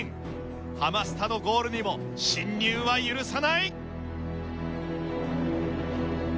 ハマスタのゴールにも侵入は許さない！